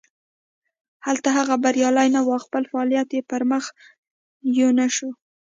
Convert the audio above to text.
هلته هغه بریالی نه و او خپل فعالیت یې پرمخ یو نه شو.